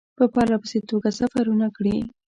په پرله پسې توګه سفرونه کړي.